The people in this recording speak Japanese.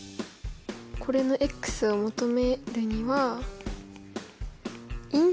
これのを求めるには。